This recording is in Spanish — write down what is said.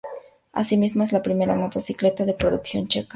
Así mismo es la primera motocicleta de producción checa.